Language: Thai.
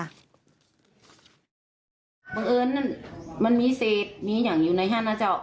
บังเอิญมันมีเซธนี้อยู่ในห้านนะเจ้า